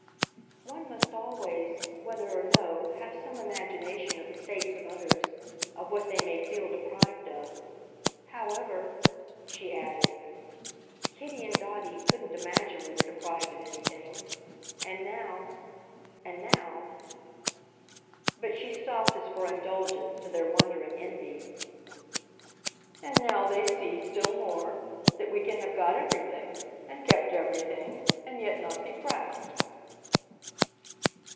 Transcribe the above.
"One must always, whether or no, have some imagination of the states of others of what they may feel deprived of. However," she added, "Kitty and Dotty couldn't imagine we were deprived of anything. And now, and now !" But she stopped as for indulgence to their wonder and envy. "And now they see, still more, that we can have got everything, and kept everything, and yet not be proud."